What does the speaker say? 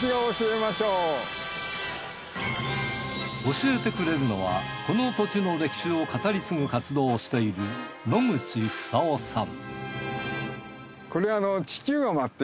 教えてくれるのはこの土地の歴史を語り継ぐ活動をしている野口房夫さん